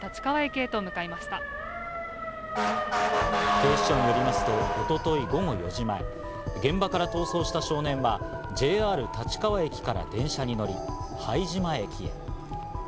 警視庁によりますと、一昨日午後４時前、現場から逃走した少年はＪＲ立川駅から電車に乗り、拝島駅へ。